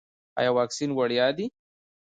ایا واکسین وړیا دی؟